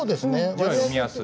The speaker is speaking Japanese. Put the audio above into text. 字は読みやすい。